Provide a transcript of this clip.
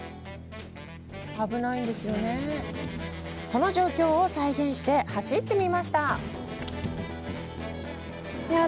その状況を再現して走ってみました。